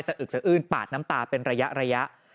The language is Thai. อึกสะอื้นปาดน้ำตาเป็นระยะ